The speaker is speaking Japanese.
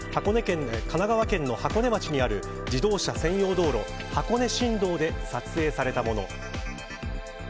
神奈川県の箱根町にある自動車専用道路箱根新道で撮影されたもの。